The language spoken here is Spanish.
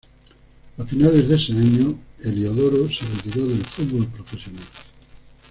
A finales de ese año, Heliodoro se retiró del fútbol profesional.